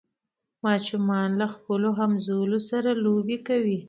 ماشومان له خپلو همزولو سره لوبې کوي.